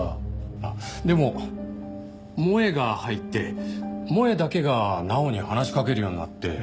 あっでも萌絵が入って萌絵だけが奈央に話しかけるようになって。